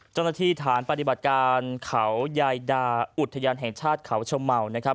เจ้าหน้าที่ฐานปฏิบัติการเขายายดาอุทยานแห่งชาติเขาชะเมานะครับ